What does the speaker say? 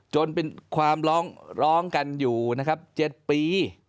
จนเป็นความร้องกันอยู่นะครับ๗ปี